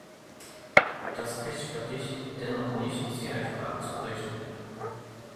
Das rechtfertigt dennoch nicht, sie einfach abzubrechen.